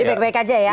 jadi baik baik aja ya